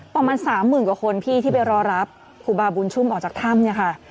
ประมาณ๓หมื่นกว่าคนที่ไปรอรับครูบาบุญชุมออกจากถ้ำค่ะ